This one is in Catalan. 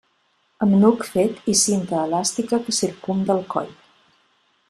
Amb nuc fet i cinta elàstica que circumda el coll.